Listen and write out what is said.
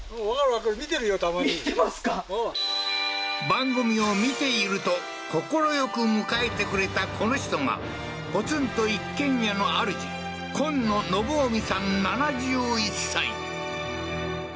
番組を見ていると快く迎えてくれたこの人がポツンと一軒家のあるじああー